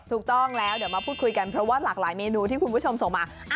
ถูกต้องแล้วเดี๋ยวมาพูดคุยกันเพราะว่าหลากหลายเมนูที่คุณผู้ชมส่งมา